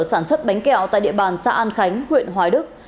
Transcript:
sản xuất bánh kẹo tại địa bàn xã an khánh huyện hoài đức